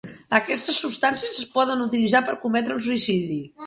Aquestes substàncies es poden utilitzar per cometre un suïcidi.